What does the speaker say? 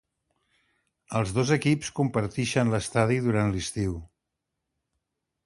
Els dos equips compartixen l'estadi durant l'estiu.